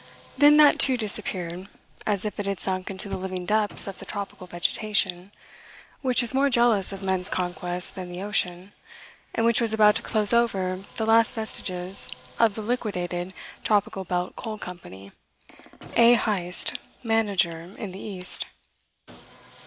Then that too disappeared, as if it had sunk into the living depths of the tropical vegetation, which is more jealous of men's conquests than the ocean, and which was about to close over the last vestiges of the liquidated Tropical Belt Coal Company A. Heyst, manager in the East.